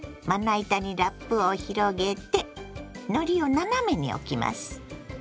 まな板にラップを広げてのりを斜めに置きます。